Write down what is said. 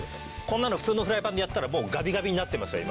こんなの普通のフライパンでやったらもうガビガビになってますよ